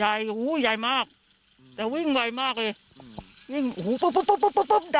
ใหญ่อู๋ใหญ่มากแต่วิ่งไวมากเลยหึ